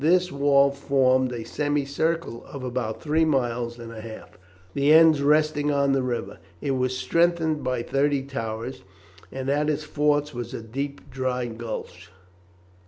This wall formed a semicircle of about three miles and a half, the ends resting on the river. It was strengthened by thirty towers, and at its forts was a deep dry ditch.